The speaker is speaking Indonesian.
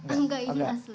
enggak ini asli